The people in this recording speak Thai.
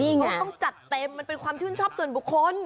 เขาต้องจัดเต็มมันเป็นความชื่นชอบส่วนบุคคล